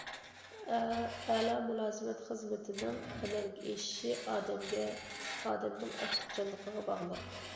ئەلا مۇلازىمەت خىزمىتىنىڭ ئەمەلگە ئېشىشى ئادەمگە، ئادەمنىڭ ئاكتىپچانلىقىغا باغلىق.